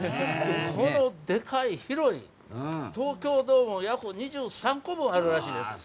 このでかい、広い、東京ドーム約２３個分あるらしいです。